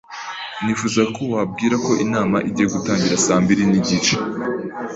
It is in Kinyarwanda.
Nifuzaga ko wabwira ko inama igiye gutangira saa mbiri nigice.